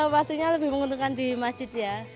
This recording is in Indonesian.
pastinya lebih menguntungkan di masjid ya